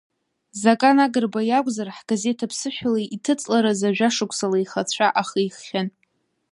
Закан Агрба иакәзар, ҳгазеҭ аԥсышәала иҭыҵларазы жәашықәсала ихы ацәа ахихьан.